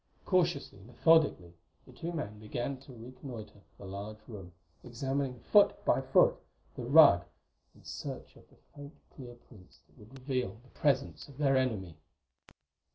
Cautiously, methodically, the two men began to reconnoitre the large room, examining foot by foot the rug in search of the faint clear prints that would reveal the presence of their enemy.